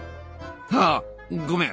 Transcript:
ああごめん。